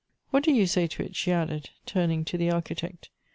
" What do you say to it ?" she added, turning to the Architect.